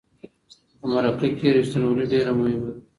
په مرکه کې رښتینولي ډیره مهمه ده.